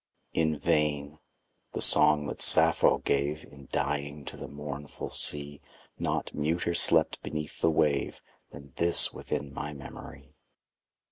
In vain: the song that Sappho gave, In dying, to the mournful sea, Not muter slept beneath the wave Than this within my memory.